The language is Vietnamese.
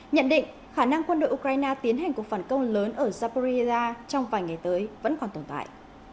nhận định khả năng quân đội ukraine tiến hành cuộc phản công lớn ở zaporiia trong vài ngày tới vẫn còn tồn tại